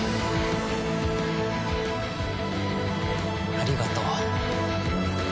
ありがとう。